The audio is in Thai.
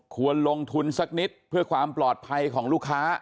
ควรลงทุนสักนิดเพื่อความปลอดภัยของลูกค้า